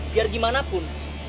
biar gimana pun